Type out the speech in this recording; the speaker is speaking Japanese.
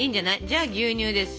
じゃあ牛乳です。